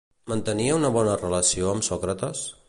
Mantenia una bona relació amb Sòcrates?